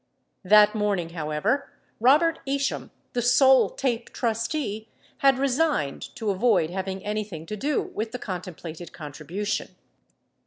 34 That morning, however, Robert Isham, the sole TAPE trustee, had resigned to avoid having anything to do with the contemplated contribution.